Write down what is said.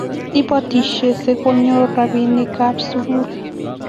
Ipotisiei si konyor rapinik ab sukul